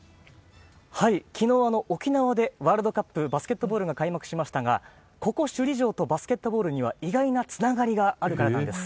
きのう、沖縄でワールドカップバスケットボールが開幕しましたが、ここ首里城とバスケットボールには、意外なつながりがあるからなんです。